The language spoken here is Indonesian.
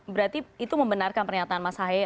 berarti itu membenarkan pernyataan mas haye